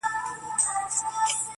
ورته اور هم پاچهي هم یې وطن سو-